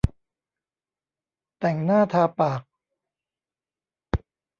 แต่งหน้าทาปาก